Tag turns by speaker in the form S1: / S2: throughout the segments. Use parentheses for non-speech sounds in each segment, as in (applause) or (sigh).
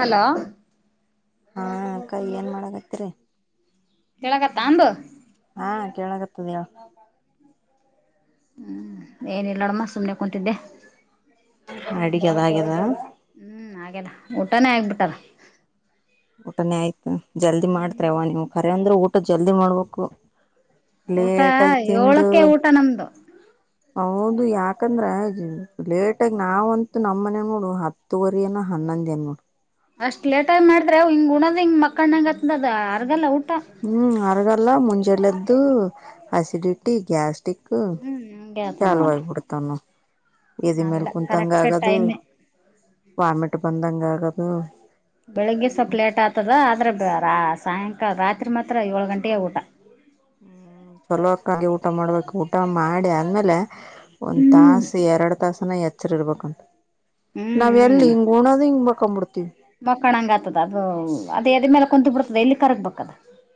S1: Hello.
S2: ಹಾ ಅಕ್ಕ ಏನ್ ಮಾಡಕತ್ತರಿ.
S1: ಕೆೇಳಕ ತಾಂಬು.
S2: ಹಾ ಕೇಳಗತ್ಯಾದ ಹೇಳ್.
S1: ಹ್ಮ್ ಏನಿಲ್ಲ ನೋಡಮ್ಮ ಸುಮ್ನೆ ಕುಂತಿದ್ದೆ.
S2: ಅಡಿಗೆದ ಹಾಗ್ಯದಾ.
S1: ಹ್ಮ್ ಹಾಗ್ಯದ ಊಟಾನೇ ಆಗ್ ಬಿಟ್ಟದ.
S2: ಊಟನೇ ಆಯ್ತು ಜಲ್ದಿ ಮಾಡ್ತ್ರಿವ್ವ ನೀವು ಕರೆವಂದ್ರ ಅಂದ್ರೆ ಊಟ ಜಲ್ದಿ ಮಾಡ್ಬೇಕು.
S1: ಊಟ
S2: ಲೇಟ್ ಆಗಿ ತಿಂದು.
S1: ಏಳಕ್ಕೆ ಊಟ ನಮ್ದು
S2: ಹೌದು ಯಾಕಂದ್ರೆ ಲೇಟಾಗಿ ನಾವಂತ ನಮ್ಮನ್ಯಾಗ ನೋಡು ಹತ್ತ್ ಹತ್ತುವರಿಯನ್ನ ಹನ್ನೊಂದ ಏನ ನೋಡ್.
S1: ಅಷ್ಟ್ ಲೇಟಾಗಿ ಮಾಡಿದ್ರೆ ಹಿಂಗ್ ಉಣದ್ ಹಿಂಗ ಮಕಾನಗತ್ತ ಆತ ಅ ಆರ್ಗಲ್ಲ ಊಟ.
S2: ಹ್ಮ್ ಅರಗಲ್ಲ ಮುಂಜಾಲೆದ್ದು ಅಸಿಡಿಟಿ ಗ್ಯಾಸ್. ತಿಕ್ಕು
S1: ಹ್ಮ್ ಹಂಗೆ ಆತದ ನೋಡ
S2: ಚಾಲವಾಗಿ ಬುಡತಾನ. ಎದಿ ಮ್ಯಾಲೆ
S1: ನಾವಿಲ್ಲ
S2: ಕುಂತಂಗ್
S1: ಕರೆಕ್ಟ್
S2: ಆಗದು
S1: ಟೈಮ್
S2: ವಾಮಿಟ್ ಬಂದಂಗ್ ಆಗದು.
S1: ಬೆಳಿಗ್ಗೆ ಸ್ವಲ್ಪ ಲೇಟ್ ಅತ್ತಾದ ಆದ್ರಾ ರಾ ಸಾಯಂಕಾಲ ರಾತ್ರಿ ಮಾತ್ರ ಏಳು ಗಂಟೆಗಾ ಊಟ.
S2: ಚಲೋಕ್ಕಾಗಿ ಊಟ ಮಾಡ್ಬೇಕು ಊಟ ಮಾಡಿ ಆದ್ಮೇಲ್ಯಾ. ಒಂದ್
S1: ಹ್ಮ್
S2: ತಾಸ ಎರಡ್ ತಾಸನ ಎಚ್ಚರ ಇರ್ಬೇಕಂತ
S1: ಹ್ಮ್
S2: ನಾವ ಎಲ್ಲಿ ಉಣದ ಹಿಂಗ ಮಕಂದಬಿಡತಿವಿ.
S1: ಮಕ್ಕೊಳಂಗ ಆತದ ಅದು ಅದ ಎದಿ ಮ್ಯಾಲ್ಯ ಕುಂತಂಗ ಆಗಿ ಬಿಡ್ತದ ಎಲ್ಲಿ ಕರಗ್ ಬೇಕದ.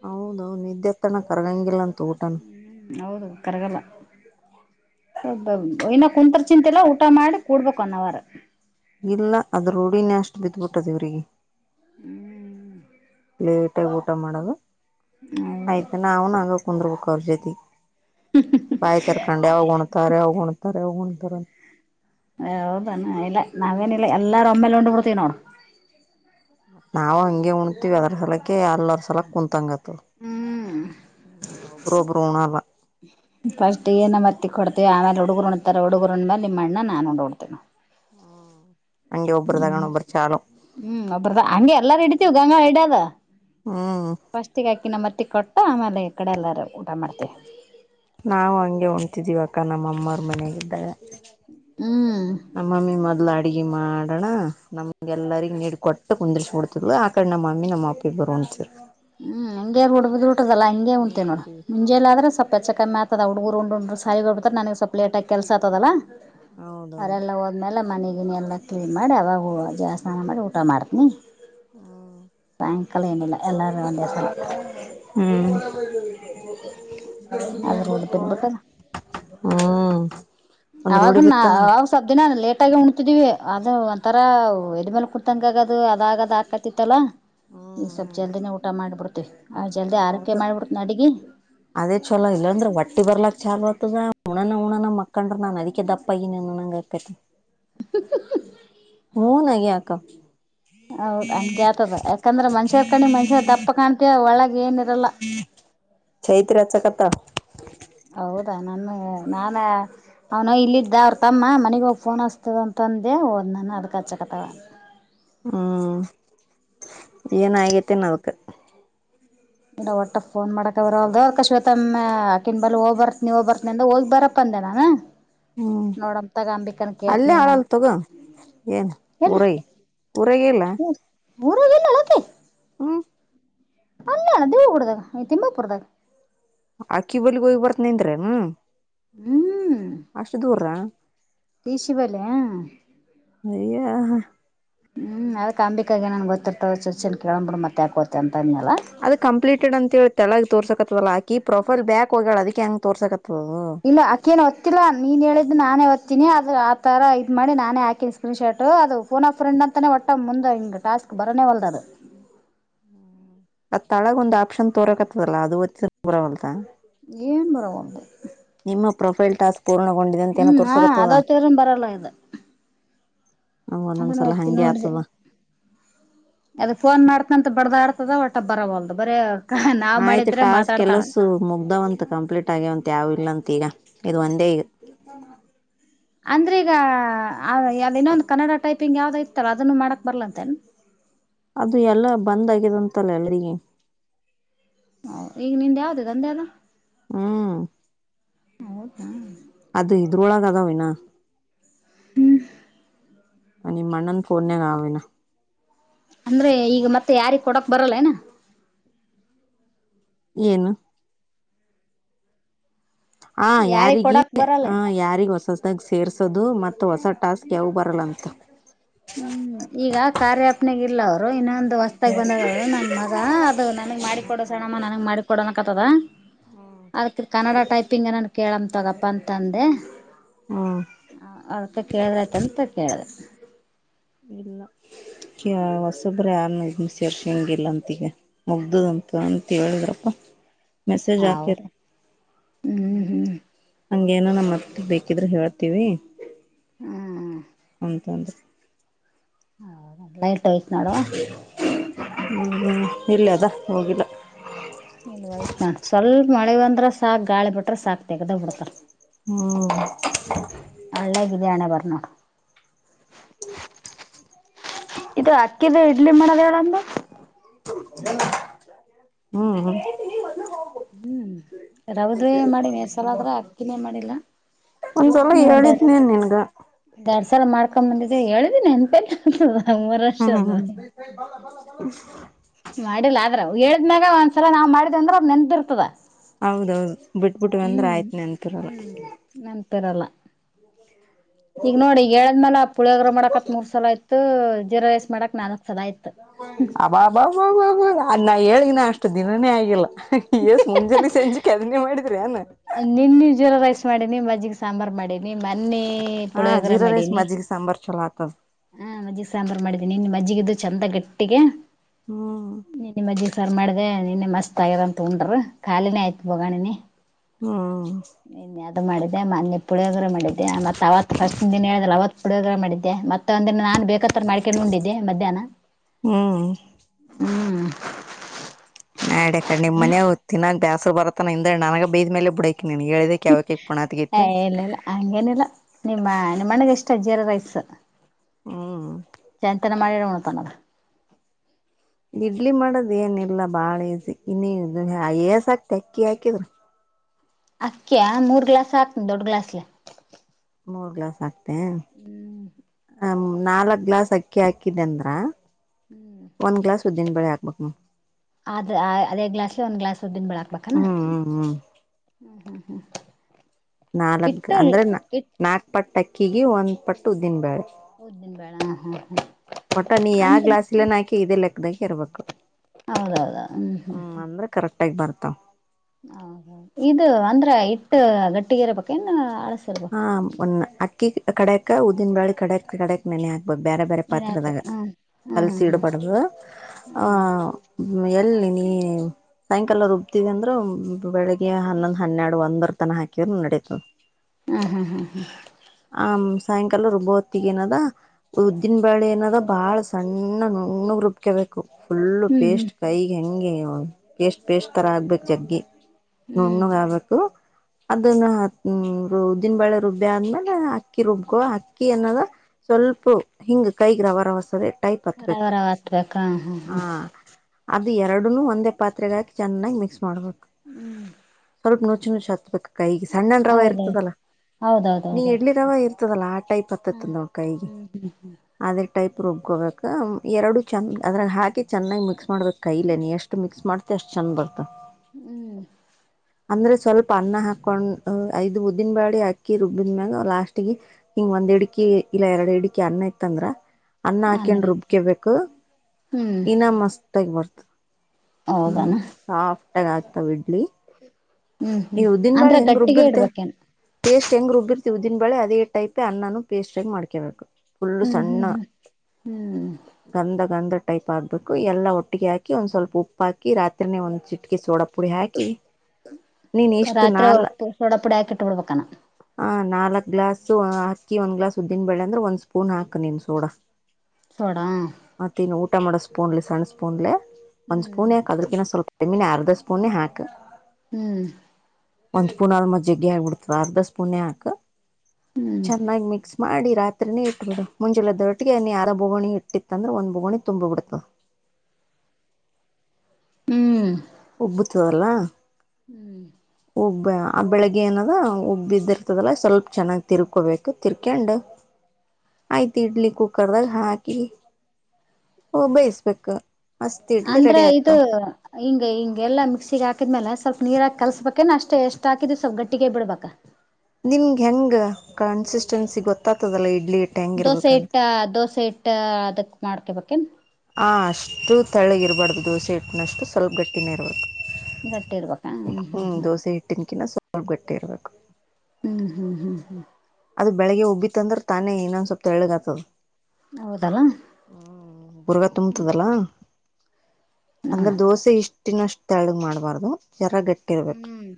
S2: ಹೌದೌದು ನಿದ್ದೆ ಹತಾನ ಕರಗಂಗಿಲ್ಲ ಅಂತ ಊಟನ
S1: ಹೌದು ಕರಗಲ್ಲಾ. (unintelligible) ಇನ್ನ ಕುಂತರ್ ಚಿಂತಿಯಿಲ್ಲಾ ಊಟ ಮಾಡಿ ಕೂಡ್ಬೇಕು ಒನ್ನ ಅವರ್.
S2: ಇಲ್ಲಾ ಅದು ರೂಡಿನೇ ಅಷ್ಟು ಬಿದ್ದಬಿಟ್ಟದ ಇವ್ರಿಗೆ.
S1: ಹ್ಮ್ಂ
S2: ಲೇಟಾಗಿ ಊಟಾ ಮಾಡೋದು
S1: ಹೌದು
S2: ಆಯ್ತು ನಾವುನ್ ಅಂಗ ಕುಂದರ್ಬೇಕು ಅವ್ರ ಜೊತೆಗಿ. ಬಾಯಿ ತೆರಕೋಂಡ್ ಯಾವಾಗ ಉಣ್ತಾರ್ ಯಾವಾಗ ಉಣ್ತಾರ್ ಯಾವಾಗ ಹೊಣ್ತಾರ.
S1: ಹಾ ಹೌದೆನ್ ಇಲ್ಲಾ ನಾವೇನಿಲ್ಲಾ ಎಲ್ಲಾರು ಒಮ್ಮೇಲೆ ಉಂಡುಬಿಡ್ತೀವಿ ನೋಡ.
S2: ನಾವ್ ಹಂಗೆ ಉಣ್ತಿವಿ ಅದರ ಸಲಕೆ ಎಲ್ಲರ್ ಸಲಕ ಕುಂತಂಗಾತದ.
S1: ಹ್ಮ್
S2: ಹ್ ಒಬ್ರು ಒಬ್ರು ಉಣಲ್ಲಾ.
S1: ಫಸ್ಟ್ ಏನ ತಿಕ್ಕೊಡ್ತೀವಿ ಆಮೇಲೆ ಹುಡುಗ್ರು ಉಣ್ತಾರ ಹುಡುಗರು ಉಂಡಮ್ಯಾಲೆ ನಿಮ್ಮ ಅಣ್ಣ ನಾನ್ ಉಂಡ್ ತೇವ
S2: ಹಂಗ ಅಂಗೆ ಒಬ್ಬರ್ ದಾಗಣ ಒಬ್ಬರದ ಚಾಲೋ.
S1: ಹುಂ ಒಬ್ಬ್ರದ ಹಂಗೆ ಎಲ್ಲಾ ಹಿಡತಿವಿ ಗಂಗಳ ಇಡೆದು.
S2: ಹುಂ
S1: ಫಸ್ಟಿಗೆ ಅಕಿಗ್ ನಮತ್ತಿ ಕೊಟ್ಟ ಆಮೇಲೆ ಈ ಕಡೆ ಎಲ್ಲರ್ ಊಟ ಮಾಡ್ತೇವಿ.
S2: ನಾವು ಹಂಗೆ ಉಣ್ತಿದ್ವಿ ಅಕ್ಕ ನಮ್ಮಅಮ್ಮರ್ ಮಾನ್ಯಗಿದ್ದಾಗ.
S1: ಹುಂ
S2: ನಮ್ಮಮ್ಮಿ ಮೊದ್ಲ ಅಡಗಿ ಮಾಡಣ ನಮಗ್ ಎಲ್ಲರಿಗೂ ನೀಡ ಕೊಟ್ಟ ಕುಂದರ್ಸಿಬಿಡ್ ಆ ಕಡೆ ನಮ್ ಅಮ್ಮಿ ನಮ್ಮ ಅಪ್ಪಾ ಇಬ್ಬರ್ ಉಣ್ತಿದ್ರು.
S1: ಹ್ಮ್ ಹಂಗೆ ರೂಡ್ ಬಿದ್ದ್ ಬಿಟ್ಟಟದಲ್ಲಾ ಹಂಗೆ ಉಂಟತಿವಿ ನೋಡ ಮುಂಜೆಲಿ ಆದ್ರೆ ಸ್ವಲ್ಪ ಹೆಚ್ಚು ಕಮ್ಮಿ ಆತ್ ತದ ಹುಡುಗುರು ಉಂಡುಂಡು ಶಾಲಿ ಹೋಗಿಬಿಡತಾರಲ್ ನನಗ್ ಸ್ವಲ್ಪ ಲೇಟಾಗಿ ಕೆಲ್ಸ ಆಗ್ತದಲಾ
S2: ಹೌದೌದು
S1: ಅದೆಲ್ಲಾ ಮೆಲ್ಲ ಮನಾಗಿನ ಎಲ್ಲ ಕ್ಲೀನ್ ಮಾಡಿ ಆ ಅವಾಗ ಜವಾ ಸ್ನಾನ ಮಾಡಿ ಊಟ ಮಾಡ್ತೀನಿ. ಸಾಯಂಕಾಲ ಏನಿಲ್ಲ ಎಲ್ಲಾರೂ ಒಂದೇಸಲ.
S2: ಹುಂ
S1: ಅದ್ರ ಹಿಡ್ದು ಬಿಟ್ಟದ
S2: (inaudible) ಹುಂ
S1: ಅವಗಿನ ಅವಾಗನೂ ಸ್ವಲ್ಪ ದಿನ ಲೇಟಾಗಿ ಉಣ್ತಿದೀವಿ ಅದು ಒಂಥರಾ ಎದಿಮ್ಯಾಲ್ಯಾ ಕುತಂಗ್ ಆಗದು ಅದಾಗದು ಹಾಕತಿತ್ತಲ್ಲಾ.
S2: ಹ್ಮ್
S1: ಈ ಸ್ವಲ್ಪ್
S2: ಹ್ಮ್
S1: ಜಲ್ದಿನೇ ಊಟ ಮಾಡ್ಬಿಡ್ತಿವಿ ಆ ಜಲ್ದಿ ಆರಕ್ಕೆ
S2: ಹೌದು
S1: ಮಾಡ್ಬಿತಿನಿ ಅಡಗಿ.
S2: ಅದೇ ಚಲೋ ಇಲ್ಲಾಂದ್ರೆ ಹೋಟ್ಟಿ ಬರ್ಲಾಕ್ ಚಾಲೋವ್ ಆತದ ಉಣಾನ ಉಣಾನ ಮಕ್ಕೊಂಡ್ರ್ ನನ್ ಅದಿಕ್ಕೆ ದಪ್ಪಗಿನೇನು ಅನಂಗ (unintelligible)
S1: (inaudible)
S2: ಹ್ಞೂ ನಾ ಯಾಕ್
S1: ಹೌದ್ ಹಂಗೆ ಆತದ ಯಾಕಂದ್ರೆ ಮನುಷ್ಯಾ ಕಣಿ ಮನಷ್ಯಾ ದಪ್ಪ ಕಾಣ್ತೀವ ಒಳಗ ಏನಿರಲ್ಲಾ
S2: ಚೈತ್ರಾ ಹಚ್ಚಾ ಕತ್ತಾಳ
S1: ಹೌದಾ ನನ್ನು ನಾನ ಅವ್ನು ಇಲ್ಲಿದ್ದ ಅವ್ರ ತಮ್ಮ ಮನೆಗ ಹೋಗಿ ಫೋನ್ ಹಚ್ತೀನಿಅಂತಂದೇ ಹೋದನೆ ನೋ ಅದಕ್ಕೆ ಹಚ್ಚತಾಳ
S2: ಹ್ಮ್ ಏನ ಆಗೈತಿ ಅದಕ್ಕೆ
S1: ಇನ್ನ ಒಟ್ಟ ಫೋನ್ ಮಾಡಕ ಬರ ಅಕಸ್ಮಾತ್ ಅಕ್ಕಿನ್ ಬಲ್ಲಿ ನಾ ಆಕಿನ ಬಲ್ ಹೋಗ್ ಬರ್ತನ ಹೋಗ್ಬರ್ತನಿ ಅಂದ ಹೋಗಿ ಬರಪ್ಪ ಅಂದೆ ನಾನು
S2: ಹ್ಮ್
S1: ನೋಡಮ್ ತಗ ಅಂಬಿಕನ
S2: - ಅಲ್ಲೇ
S1: ಕೇಳ್ತೀನಿ ನಾನು
S2: ಆಳಲ್ ತಗೊ ಏನು ಊರಗೆ ಊರಾಗೆ ಇಲ್ಲಾ
S1: ಊರಗಿಲ್ಲ. ಆಕಿ
S2: ಹುಂ
S1: ಅಲ್ಲ ಅದೇ ಹುಡುಗ ತಿಮ್ಮಾಪುರದಾಗ
S2: ಅಕ್ಕಿ ಬಲ್ಗ್ ಹೋಗಿ ಬರ್ತನ್ ಅಂದ್ರೇನೂ
S1: ಹಂ
S2: ಅಷ್ಟು ದೂರ್ರಾ?
S1: ಇಶು ಬಲ್ಯ
S2: (unintelligible)
S1: ಹ್ಞೂ ಅದಕ್ಕ ಅಂಬಿಕಾಗ ಏನನ ಗೊತ್ತಿರ್ತವ ಚೊಚ್ಚಿಲ್ ಕೆಲಂ ಬಿಡು ಮತ್ ಯಾಕ್ ಹೊತಿ ಅಂತ ಅನ್ಯಲಾ
S2: ಅದ ಕಂಪ್ಲೀಟೆಡ್ ಅಂತೇಳಿ ತೆಲಗ್ ತೋರ್ಸಕತ್ತದಲ್ಲಾ ಆಕಿ ಪ್ರೊಫೈಲ್ ಬ್ಯಾಕ್ ಹೊಗ್ಯಾಳ ಅದಕ್ಕೆ ಹಂಗ್ ತೋರ್ಸಕತ್ತದ ಅದು.
S1: ಇಲ್ಲ ಆಕೇನು ಒತ್ತಿಲ್ಲ ನೀನ ಹೇಳಿದ ನಾನೇ ಒತ್ತಿನಿ ಆದ್ರೆ ಆ ಥರ ಇ ಇದ ಮಾಡಿ ನಾನೇ ಹಾಕಿನ. ಸ್ಕ್ರೀನ್ ಶಾರ್ಟ್ ಅದು ಫೋನ್ ಆಫ ಫ್ರೆಂಡ್ ಅಂತಾನೆ ಒಟ್ಟ ಮುಂದ್ ಹಿಂಗ್ ಟಾಸ್ಕ್ ಬರನೇ ವಲ್ದ ಅದು.
S2: ಅ ತಳಗ ಒಂದು ಆಪ್ಷನ್ ತೋರಕತದಲ್ಲ ಅದು ಒತ್ತಿದ್ರೂ ಬರವಲ್ತಾ?
S1: ಏನ್ ಬರವಲ್ತ.
S2: ನಿಮ್ಮ ಪ್ರೊಫೈಲ್ ಟಾಸ್ಕ್ ಪೂರ್ಣಗೊಂಡಿದೆಂತೇ ಏನೋ
S1: ಹ್ಮ್ ಹಾ
S2: ತೋರ್ಸಕತ್ತದಾ.
S1: ಅದತ್ತಿದ್ರನ್ ಬರಲ್ಲ ಅದುನೂ ಒತ್ತಿ
S2: ಹಂಗೆ
S1: ನೋಡ್ದೆ.
S2: ಆತದ
S1: ಅದ ಫೋನ್ ಮಾಡ್ತನಂತ್ ಬಡದಾಡ್ತದ ಒಟ್ಟ ಬರವಲ್ದು ಬರೆ
S2: ಆಯ್ತು ಟಾಸ್ಕ್ ಎಲಸು ಮುಗ್ದಾವಂತ ಕಂಪ್ಲೀಟ್ ಆಗ್ಯವಂತ ಯಾವ ಇಲ್ಲ ಅಂತ ಈಗ ಇದು ಒಂದೇ ಈಗ. (inaudible)
S1: ಅಂದ್ರೆ ಈಗ ಆದ ಇನ್ನೊಂದು ಕನ್ನಡ ಟೈಪಿಂಗ್ ಯಾವುದೋ ಇತ್ತಲ್ಲ ಅದನ್ನೂ ಮಾಡಾಕ್ ಬರ್ಲಂತೆನ?
S2: ಅದು ಎಲ್ಲ ಬಂದ್ ಆಗಿದ ಅಂತಲ್ಲ ಎಲ್ರಿಗಿ.
S1: ಹೌದ ಈಗ ನಿಂದ ಯಾವ್ದು ನಂದ ಯಾದು?
S2: ಹ್ಮ್
S1: ಹೌದಾ?
S2: ಅದು ಇದ್ರೊಳಗ ಅದಾವ ಇನ್ನ. ಅ ನಿಮ್ಮ ಮಣ್ಣನ್ ಫೋನ್ನಾಗ್ ಆವ್ ಇನ್ನ್.
S1: ಅಂದ್ರೆ ಈಗ ಮತ್ತೆ ಯಾರಿಗ ಕೊಡಕ್ ಬರಲ್ಲ ಏನ?
S2: ಏನು? ಹ
S1: ಯಾರಿಗ್
S2: ಯಾರಿಗಿ
S1: ಕೊಡಕ್ ಬರಲ್ಲ
S2: ಹ ಯಾರಿಗಿ ಹೊಸ ಹೊಸ ಅದಾಗ ಸೇರ್ರಿಸೋದು ಮತ್ತ ಹೊಸ ಟಾಸ್ಕ್ ಯಾವು ಬರಲ್ಲ ಅಂತ.
S1: ಹ್ಮ್ ಈಗ ಕಾರ್ಯಾಪ್ನೆಗ ಇಲ್ಲ ಅವ್ರು ಇನ್ನೊಂದು ದು ಹೊಸ್ದಾಗ್ ಬಂದ ಅದ ನಮ್ ಮಗ ಅದು ನನ್ಗ್ ಮಾಡಿ ಕೊಡ ಸಣಮ್ಮ ನನಗ್ ಮಾಡಿ ಕೊಡ ಅನ್ನಕತ್ತದ. ಅದಕ್ ಕನ್ನಡ ಟೈಪಿಂಗ್ ಏನಾನು ಕೇಳಮ್ಮ ತಗಪ್ಪ ಅಂತಂದೆ.
S2: ಹ್ಮ್
S1: ಅದ್ಕೆ ಕೇಳಿದ್ರ ಆಯ್ತಂತ ಕೇಳ್ದೇ.
S2: ಇಲ್ಲಾ ಕೇಳ್ ಹೊಸಬ್ರನ್ ಯಾರ್ನೂ ಸೆರ್ಸಾಂಗ್ಗಿಲ್ಲ ಅಂತ್ ಈಗ. ಮುಗ್ದದಂತ ಅಂತ ಅಂತ್ ಹೇಳಿದ್ರಪ್ಪ. ಮೆಸೇಜ್ ಹಾಕಿರ್.
S1: ಹೌದಾ ಹ್ಮ್ ಹ್ಮ್
S2: ಹಂಗೇನನ್ ಮತ್ ಬೇಕಿದ್ರ ಹೇಳ್ತೀವಿ
S1: ಹ್ಮ್
S2: ಅಂತಂದ್ರ.
S1: ಲೈಟ್ ಹೋಯ್ತ ನೋಡವ್ವ.
S2: ಹ್ಮ್ ಹ್ಮ್ ಇಲ್ಲ ಅದ ಹೋಗಿಲ್ಲ.
S1: ಇಲ ಹೋಯ್ತ ನೋಡ್ ಸ್ವಲ್ಪ ಮಳೆ ಬಂದ್ರ ಸಾಕ್ ಗಾಳಿ ಬಿಟ್ರ ಸಾಕ್ ತೇಗದ ಬಿಡ್ತಾರ್.
S2: ಹ್ಮ್
S1: ಹಳ್ಯಾಗ್ ಇದ ಹಣೆಬರ್ ನೋಡ್. ಇದು ಅಕ್ಕಿದ ಇಡ್ಲಿ ಮಾಡೋದ ಹೇಳಂದು.
S2: ಹ (unintelligible) ಹ್ಮ್ ಹ್ಮ
S1: ಹ್ಮ್ ರೌದೇ ಮಾಡಿನಿ ಎಸ್ಸಲ್ಲಾ ಆದ್ರ ಅಕ್ಕಿದೆ ಮಾಡಿಲ್ಲ.
S2: ಹೇಳಿದ್ನಿ ನಿನ್ಗ.
S1: ಯಾಡ್ಸಲ ಮಾಡ್ಕೊ ಬಂದಿದೆ ಹೇಳಿದಿನಿ ನೆನ್ಪೇಲಿ
S2: ಹ್ಮ್
S1: ನಮ್ಮರಷ್ಟ
S2: ಹ್ಮ್
S1: ನ
S2: ಹ್ಮ್
S1: ಮಾಡಿಲ್ಲ ಆದ್ರೆ ಹೇಳಿದ್ಮ್ಯಾಗ ಒಂದ್ಸಲ ನಾ ಮಾಡಿದಅಂದ್ರೆ ನೆನ್ಪಿರ್ರ್ತದ.
S2: ಹೌದೌದು ಬಿಟ್ಬಿಟ್ಟು ಅಂದ್ರೆ ಆಯ್ತ ನೆನ್ಪ್ಇರಲ್ಲ.
S1: ಹ್ಮ್ ನೆನ್ಪಿರಲ್ಲ. ಈಗ ನೋಡಿ ಹೇಳಿದ್ಮೇಲ ಆ ಪುಳಿಯಗರು ಮಾಡಕತ್ ಮೂರ್ ಸಲ ಆಯತು ಜೀರ ರೈಸ್ ಮಾಡಕ್ ನಾಲ್ಕ್ ಸಲ ಆಯ್ತು.
S2: ಹ ಬಾ ಬಾ ಬಾ ಬಾ ಅದನ್ನ ಹೇಳಿದಿನ ಅಷ್ಟು ದಿನನೇ ಆಗಿಲ್ಲ ಈಸ್ ಮುಂಜೆಲಿ ಸಂಜೆ. (unintelligible) ಮಾಡಿದ್ರಿ ಏನ್.
S1: ನಿನ್ನ ಜೀರ ರೈಸ್ ಮಾಡೀನಿ ಮಜ್ಜಿಗೆ ಸಾಂಬಾರ್ ಮಾಡಿನಿ ಮನ್ನಿ.
S2: ಹಾ ಜೀರಾ ರೈಸ್ ಮಜ್ಜಿಗೆ ಸಾಂಬಾರ್ ಚಲೋ ಆಗ್ತದ.
S1: ಹಾ ಮಜ್ಜಿಗೆ ಸಾಂಬಾರ್ ಮಾಡಿದ್ದೀನಿ ನಿನ್ ಮಜ್ಜಗ ಇದ್ದು ಚಂದ ಗಟ್ಟಿಗೆ.
S2: ಹ್ಮ್
S1: ನೆನ್ನಿ ಮಜ್ಜಿಗೆಸರ್ ಮಾಡಿದೆ ನಿನ್ನೆ ಮಸ್ತ್ ಆಗ್ಯದ ಅಂತ ಉಂಡು ಖಾಲಿನೇ ಆಯ್ತು ಬೋಗೋಣ ನೀ.
S2: ಹ್ಮ
S1: ನಿ (unintelligible) ಮಾಡಿದ್ದೆ ಮನೆೆ ಪುಳಿಯೋಗರೆ ಮಾಡಿದ್ದೆ ಮತ್ತೆ ಅವತ್ ಫಸ್ಟ್ ದಿನ ಹೇಳಿದ್ರೆ ಅವತ್ ಪುಯೋಗರೆ ಮಾಡಿದ್ದೆ ಮತ್ತೆ ಒಂದಿನ ನಾನು ಬೇಕ ಮಾಡ್ಕೊಂಡ ಹುಂಡಿದ್ದೆ ಮಧ್ಯಾಹ್ನ
S2: ಹ್ಮ್
S1: ಹ್ಮ್.
S2: ನಾಡ ಕಣ ನಿಮ್ ಮನೆ ತಿನ್ನಾಗ ಬಾಸರು ಬರತ್ತಾನ ಇಂದ ನನ ಬಯ್ ಮೇಲೆ ಬ ಬಿಡೈಕಿನ್ ಹೇಳದೆ. ಕೆವಕಿ ಪುಣ್ಯತ್ ಗಿತ್ತ.
S1: ಏ ಇಲ್ಲ ಇಲ್ಲ ಹಂಗೇನಿಲ್ಲ ನಿಮ್ಮ ನಿಮ್ಮನೆಗೆ ಎಷ್ಟ ಜೀರ ರೈಸ್
S2: ಹ್ಮ್
S1: ನಮ್ (unintelligible) ನೋಡ್ತನಲ್ಲ.
S2: ಇಡ್ಲಿ ಮಾಡೋದ್ ಏನ ಇಲ್ಲ ಬಾಳ ಈಸಿ ಇನ್ನ ಏಸಾಕ ಕ್ಕಿ ಹಾಕಿದ್ರೆ.
S1: ಅಕ್ಯ ಮೂರ್ ಗ್ಲಾಸ್ ಹಾಕ್ ದೊಡ್ ಗ್ಲಾಸ್ಲಿ.
S2: ಮೂರ್ ಗ್ಲಾಸ್ ಆಕ್ತೆೇ
S1: ಹ್ಮ್
S2: ನಾಲ್ಕ್ ಗ್ಲಾಸ್ ಅಕ್ಕಿ ಹಾಕಿದ್ದ ಅಂದ್ರ. ಒಂದ್ ಗ್ಲಾಸ್ ಉದ್ದಿನ ಬಳೆ ಹಾಕ್ಬೇಕೇಕ್ ಮ್
S1: ಆದ್ರ ಅದೇ ಗ್ಲಾಸ್ಲಿ ಒಂದ್ ಗ್ಲಾಸ್ ಉದ್ದಿನಬೇಳೆ ಹಾಕ್ಬೇಕಾನ.
S2: ಹ್ಮ್ ಹ್ಮ್ ಹ್ಮ್
S1: (inaudible)
S2: ನಾಲ್ಕ್
S1: ಇಟ್ಟು
S2: ಅಂದ್ರೆ ನ
S1: ಇಟ್
S2: ನಾಕ್ ಪಟ್ಟ ಅಕ್ಕಿಗೆ ಒಂದ್ ಪಟ್ಟು ಉದ್ದಿನಬೇಳೆ.
S1: ಉದ್ದಿನ ಬೇಳೆ ಹ ಹ
S2: ಮಟ್ಟ ನೀ ಯಾ
S1: ಅಂದ್ರ
S2: ಗ್ಲಾಸ್ ಇಲ್ಲನ ಹಾಕಿ ಇದೆ ಲೆಕ್ಕದಗ್ ಇರ್ಬೇಕು.
S1: ಆಗಲ್ಲ.
S2: ಕರೆಕ್ಟಾಗಿ ಬರ್ತಾವೆ.
S1: ಹ ಇದು ಅಂದ್ರೆ ಇಟ್ಟ ಗಟ್ಟಿಗೆ ಇರಬೇಕ ನ್ ಅಳ್ಸ
S2: ಹಾ ಒನ್ ಅಕ್ಕಿ ಕಡಕ್ ಉದ್ದನ್ ಬಾಳಿ ಕಡಕ್ ಕಡಕ್ ನೆನೆ ಆಕ್ ಬೇರೆ ಬೇರೆ
S1: ಇರಾಕು
S2: ಪಾತ್ರದಾಗ
S1: ಹ ಹಾ ಹಾ ಹಾ
S2: ಕಲಿಸಿ
S1: ಹ್ಮ್
S2: ಇಡಪಡದು ಆ. ಹ್ಮ ಎಲ್ಲಿ ನೀ. ಸಾಯಂಕಾಲ ರುಬ್ತವಿ ಅಂದ್ರ ಬೆಳಿಗ್ಗೆ ಹನ್ನೊಂದ್ ಹನ್ನೆರಡು ಒಂದರ್ ತನ ಹಾಕಿದ್ರ ನಡತ್.
S1: ಹ್ಮ ಹ್ಮ ಹ್ಮ
S2: ಹಾಂ ಸಾಯಂಕಾಲ ರುಬ್ಬ ಹೊತ್ತಗೇನನ. ಉದ್ದಿನ ಬಾಳಿ ಏನದ ಬಾಳ ಸಣ್ಣಗ್ ನುಣ್ಣುಗ್ ಹಕಬೇಕು ಫುಲ್ಲು
S1: ಹ್ಮ್
S2: ಪೇಸ್ಟ್ ಕೈಗೆ ಹೆಂಗೆ ಪೇಸ್ಟ್ ಪೇಸ್ಟ್ ತರ ಆಗ್ಬೇಕು ಜಗ್ಗಿ.
S1: ಹ್ಮ್
S2: ನುಣ್ಣಗ್ಗ್ಬೇಕು ಅದನ್ನು ಹ್ಮ ಉದ್ದಿನ ಬಾಳೆ ರುಬ್ಬಿ ಆದ್ಮೇಲೆ ಅಕ್ಕಿ ರುಬ್ಕೋ ಅಕ್ಕಿ ಅನ್ನೋದ. ಸ್ವಲ್ಪ ಹಿಂಗ ಕೈಗಿ ಅವರವಸದೆ. ಟೈಪ್ ಹತ್ಬೇಕು
S1: ರವರವ ಹತ್ಬೇಕ ಹಾ ಹಾ
S2: ಹ. ಅದು ಎರಡುನು ಒಂದೇ ಪಾತ್ರೆ ಲಾಕಿ ಚೆನ್ನಾಗಿ ಮಿಕ್ಸ್ ಮಾಡ್ಬೇಕು.
S1: ಹ್ಮ್ಮ್.
S2: ನೂಚ್ ನೂಚ್ ಹತ್ಬೆಕಕ್ಕಾ ಈಗ ಸಣ್ಣಣ
S1: ಹಾ
S2: ರವಾ ಇರ
S1: ಹೌದೌದು
S2: ರ್ತದಲ್ಲ ನೀ
S1: ಹೌದೌದೌದು
S2: ಇಡ್ಲಿ ರವಾ ಇರ್ತದಲ್ಲಾ ಆ ಟೈಪ್
S1: ಹ್ಮ
S2: ಹತ್ತತ್ ನೊಡ್ ಕೈಗೆ
S1: ಹ್ಮ್
S2: ಅದೇ ಟೈಪ್ ರುಬ್ಕೋಬೇಕ ಎರಡು ಚಂದ್ ಅದ್ರಾಗ ಹಾಕಿ ಚೆನ್ನಾಗಿ ಮಿಕ್ಸ್ ಮಾಡ್ಬೇಕು ಕೈಲೆ ನೀ ಎಷ್ಟು ಮಿಕ್ಸ್ ಮಾಡ್ತೀ ಅಷ್ಟ್ ಚಂದ್ ಬರ್ತ
S1: ಹ್ಮ.
S2: ಅಂದ್ರೆ ಸ್ವಲ್ಪ ಅನ್ನ ಹಾಕೊಂಡ್ ಐ ಉದ್ದಿನ ಬಾಡಿ ಅಕ್ಕಿ ರುಬ್ಬಿದ್ಮ್ಯಾಗ ಲಾಸ್ಟ್ ಗೆ ಹಿಂಗ ಒಂದ್ ಇಡ್ಕಿ ಇಲ್ಲ ಎರಡ ಹಿಡಿಕಿ ಅನ್ನ ಇತ್ತಂದ್ರ ಅನ್ನ
S1: ನಾನ್
S2: ಹಾಕ್ಯ್ಂಡ್
S1: ವೆಜ್
S2: ರುಬ್ಕೇಬೇಕು
S1: ಹ್ಮ್
S2: ಇನ ಮಸ್ತ ಆಗಿ ಬರ್ತ ಹ್ಮ್
S1: ಹೌದಾನ
S2: ಸಾಫ್ಟಗಿ ಆಗ್ತಾವ ಇಡ್ಲಿ
S1: ಹ್ಮ್
S2: ಈ
S1: ಹ್ಮ್
S2: ಉದ್ದೀನ ಬ್ಯಾಳೆ
S1: ಅಂದ್ರೆ
S2: ಹೆಂಗ್
S1: ಗಟ್ಟಿಗೆ
S2: ರುಬ್ಬಿರ್ತೆ
S1: ಇಡ್ಬೇಕೇನ್
S2: ಪೇಸ್ಟ್ ಹೆಂಗ್ ರುಬ್ಬಿರ್ತಿ ಉದ್ದೀನ ಬೆಳೆ ಅದೇ ಟೈಪೆ ಅನ್ನಾನು ಪೇಸ್ಟ್ ಹೆಂಗ ಮಾಡ್ಕೊಬೇಕು ಫುಲ್ಲು ಸಣ್ಣಾ
S1: ಹ್ಮ್ಮ.
S2: ಗಂಧ ಗಂಧ ಟೈಪ್ ಆಗ್ಬೇಕು ಎಲ್ಲ ಒಟ್ಟಿಗೆ ಹಾಕಿ ಒಂದ್ ಸ್ವಲ್ಪ ಉಪ್ಪಾಕಿ ರಾತ್ರಿನೇ ಒಂದು ಚಿಟಕಿ ಸೋಡ ಪುಡಿ ಹಾಕಿ ನೀನು ಇಷ್ಟು
S1: ರಾತ್ರಿ ಅವ ಉಪ್ಪಿನ್ ಸೋಡಾ ಪುಡಿ ಹಾಕಿ ಇಟ್ಟಡ್ಬೇಕನ
S2: ಹ ನಾಲ್ಕ್ ಗ್ಲಾಸು ಅಕ್ಕಿ ಒಂದ್ ಗ್ಲಾಸ್ ಉದ್ದೀನ ಬೆಳೆ ಅಂದ್ರೆ ಒಂದ್ ಸ್ಪೂನ್ ಹಾಕ ನೀನ್ ಸೋಡಾ
S1: ಸೋಡಾ
S2: ಮತ್ತ ಇನ್ನು ಊಟ ಮಾಡೋ ಸ್ಪೂನ್ಲೆ ಸಣ್ಣ ಸ್ಪೂನ್ಲೆ ಒಂದ್
S1: ಹ್ಮ್
S2: ಸ್ಪೂನ್ ಯಾಕ್ ಅದ್ರಕಿನ್ ಸ್ವಲ್ಪ ಕಮ್ಮೀನೆ ಅರ್ಧ ಸ್ಪೂನೆ ಹಾಕ
S1: ಹ್ಮ.
S2: ಒಂದ್ ಸ್ಪೂನ್ ಆದ್ರ ಮತ್ ಜಗ್ಗೇ ಆಕ್ಬಿಡ್ತದ ಅರ್ಧ ಸ್ಪೂನೆ ಹಾಕ
S1: ಹ್ಮ್
S2: ಚೆನ್ನಾಗಿ ಮಿಕ್ಸ್ ಮಾಡಿ ರಾ ನೇ ಇಟ್ಬಿಡು ಮುಂಜೆಲದ್ದೊಟ್ಟಿಗೆ ನೀ ಆರ ಬೊಗಾಣಿ ಇಟ್ಟಿತ್ತಂದ್ರ ಒಂದ ಬೊಗಾಣಿ ತುಂಬಿ ಬಿಡ್ತು
S1: ಹ್ಮ್ಮ್.
S2: ಒಬ್ಬುತಿವಲ್ಲಾ
S1: ಹ್ಮ.
S2: ಉಬ್ಬ ಆ ಬೆಳಿಗ್ಗೆ ಏನದ ಉಬ್ಬಿದ್ ಇದ್ದಿರ್ತದಲ್ಲ ಸ್ವಲ್ಪ್ ಚೆನ್ನಾಗ್ ತಿರ್ಕೊಬೇಕು ತಿರ್ಕಂಡು ಆಯ್ತ ಇಡ್ಲಿ ಕುಕ್ಕರ್ದಾಗ ಹಾಕಿ ಅವು ಬೇಯಿಸ್ಬೇಕ
S1: ಅಂದ್ರ ಇದು ಹಿಂಗ ಹಿಂಗೆಲ್ಲ ಮಿಕ್ಸಿಗೆ ಹಾಕಿದ್ಮೇಲೆ ಸ್ವಲ್ಪ ನೀರಾಕಿ ಕಲ್ಸ್ಬೇಕೇನ ಅಷ್ಟೆ ಎಷ್ಟ್ ಹಾಕಿದ ಸ್ವಲ್ಪ ಗಟ್ಟಿಗೆ ಬಿಡ್ಬೇಕಾ
S2: ನಿಮ್ಗ್ ಹೆಂಗ ಕನ್ಸಿಸ್ಟೆನ್ಸಿ ಗೊತ್ತಾಗ್ತದಲ್ಲ ಇಡ್ಲಿ ಹಿ
S1: ದೋಸೆ ಹಿಟ್ಟಾ ದೋಸೆ ಹಿಟ್ಟ್ ಹದಕ್ ಮಾಡ್ಕೊಬೇಕೆನ್
S2: ಆ ಅಷ್ಟು ತಳ್ಳಿಗ ಇರಬಾರ್ದು ದೋಸೆ ಹಿಟ್ಟಿನಷ್ಟು ಸ್ವಲ್ಪ ಗಟ್ಟಿನೇ ಇರಬೆಕ (unintelligible) ಹ್ಮ್ ದೋಸೆ ಹಿಟ್ಟಿನಕಿನ್ನ ಸ್ವಲ್ಪ ಗಟ್ಟಿ ಇರ್ಬೇಕು
S1: ಹ್ಮ ಹ ಹ ಹ
S2: ಅದ ಬೆಳಗ್ಗೆ ಊಬಿತ್ ಅಂದ್ರ ತಾನೇ ಇನ್ನೊಂದ ಸ್ವಲ್ಪ ಎಳ್ಳಳಗ್ ಆತದ
S1: ಹೌದಲ್ಲಾ
S2: ಹ್ಮ್ ಬುರ್ಗಾ ತುಂಬ್ತದಲಾ
S1: ನೋಡ
S2: ಅಂದ್ರೆ ದೋಸೆ ಇಷ್ಟ ತಿನ್ನಷ್ಟ ತೆಳ್ಳಗ್ ಮಾಡ್ಬಾರ್ದು ಜರಾ ಗಟ್ಟಿರ್ಬೇಕ
S1: ಹ್ಮ್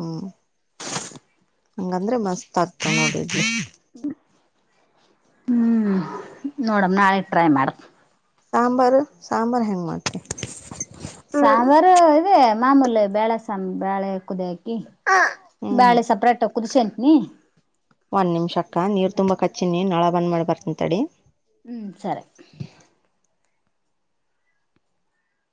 S2: ಹ್ಮ್ (inaudible) ಹಂಗಂದ್ರೆ ಮಸ್ತ್ ಆಗ್ತಾವ ನೋಡ ಇಡ್ಲಿ
S1: ಬಿಡು (inaudible) ಹ್ಮ್ ನೋಡಮ್ ನಾಳೆ ಟ್ರೈ ಮಾಡ
S2: ಸಾಂಬಾರ್ ಸಾಂಬಾರ್ ಹೆಂಗ್ ಮಾಡ್ತಿ
S1: ಸಾಂಬಾರು ಇದೆ ಮಾಮೂಲಿ ಬೇಳೆ ಸಾರು ಬಾಳೆ ಕುದಿ ಹಾಕಿ
S2: ಹ್ಮ್ ಹ್ಮ್
S1: ಬ್ಯಾಳಿ ಸಪ್ರೇಟ್ ಕುದಿಸಿಕೋಂತಿನಿ
S2: ಒಂದು ನಿಮಿಷಕ್ಕ ನೀರ ತುಂಬಿಕಚ್ಚಿನಿ ನಳಾ ಬಂದ್ ಮಾಡಿ ಬರ್ತನಿ ತಡಿ.
S1: ಹು ಸರಿ